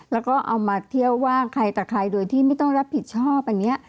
แล้วก็เอามาเที่ยวว่าใครต่อใครโดยที่ไม่ต้องรับผิดชอบอันนี้